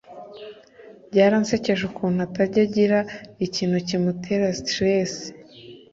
Byaransekeje ukunu atajya agira ikinu kimutera sitrese